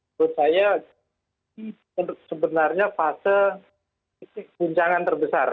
menurut saya ini sebenarnya fase guncangan terbesar